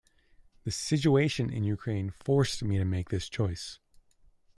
The situation in Ukraine forced me to make this choice.